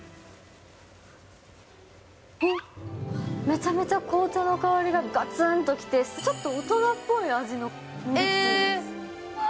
めちゃめちゃ紅茶の香りががつんときて、ちょっと大人っぽい味のミルクティー。